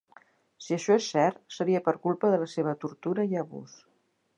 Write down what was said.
Si això és cert, seria per culpa de la seva tortura i abús.